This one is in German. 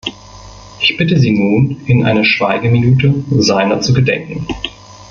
Ich bitte Sie nun, in einer Schweigeminute seiner zu gedenken.